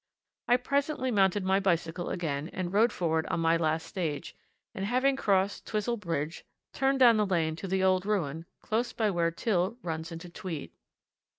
I presently mounted my bicycle again and rode forward on my last stage, and having crossed Twizel Bridge, turned down the lane to the old ruin close by where Till runs into Tweed.